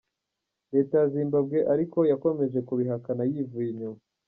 Leta ya Zimbabwe ariko yakomeje kubihakana yivuye inyuma.